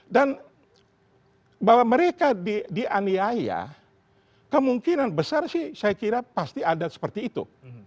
dan bahwa mereka dianiaya kemungkinan besar sih saya kira pasti ada seperti itu